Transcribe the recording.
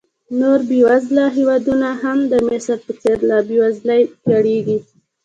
نور بېوزله هېوادونه هم د مصر په څېر له بېوزلۍ کړېږي.